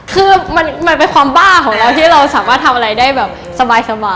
คือมันเป็นความบ้าของเราที่เราสามารถทำอะไรได้แบบสบาย